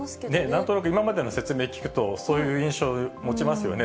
なんとなく、今までの説明聞くと、そういう印象を持ちますよね。